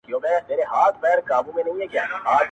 د قاتل لوري ته دوې سترگي نیولي،